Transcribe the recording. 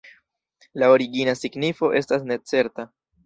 La origina signifo estas necerta.